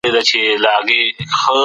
کمپيوټر ويډيو سبق ښيي.